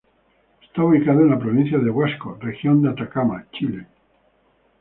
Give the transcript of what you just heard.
Está ubicado en la provincia de Huasco, Región de Atacama, Chile.